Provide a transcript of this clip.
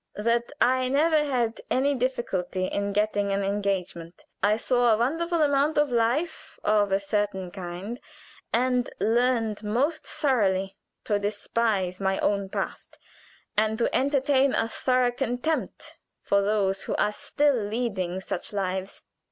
"That I never had any difficulty in getting an engagement. I saw a wonderful amount of life of a certain kind, and learned most thoroughly to despise my own past, and to entertain a thorough contempt for those who are still leading such lives.